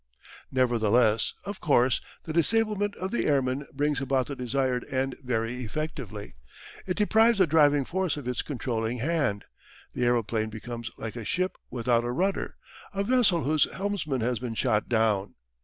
Nevertheless, of course, the disablement of the airman brings about the desired end very effectively. It deprives the driving force of its controlling hand; The aeroplane becomes like a ship without a rudder: a vessel whose helmsman has been shot down.